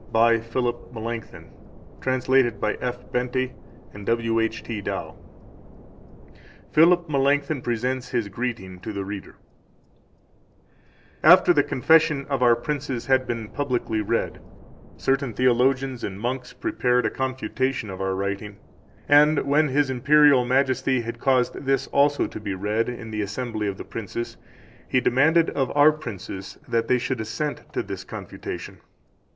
Of Ecclesiastical Power. Article I The Nature of God >> Philip Melanchthon Presents His Greetings to the Reader 1 After the Confession of our princes had been publicly read, certain theologians and monks prepared a confutation of our writing; and when His Imperial Majesty had caused this also to be read in the assembly of the princes, he demanded of our princes that they should assent to this Confutation.